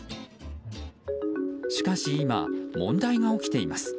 しかし今、問題が起きています。